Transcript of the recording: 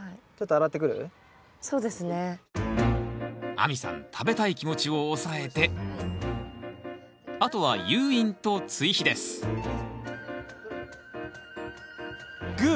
亜美さん食べたい気持ちを抑えてあとは誘引と追肥ですグー！